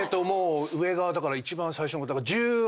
上がだから一番最初。